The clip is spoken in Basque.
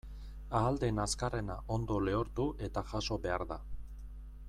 Ahal den azkarrena ondo lehortu eta jaso behar da.